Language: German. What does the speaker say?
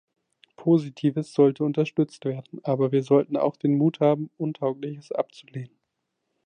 Positives sollte unterstützt werden, aber wir sollten auch den Mut haben, Untaugliches abzulehnen.